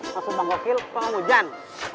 masuk bang gokil pengang hujan